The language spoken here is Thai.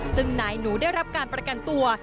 ซึ่งนายหนูได้รับการประกันตัว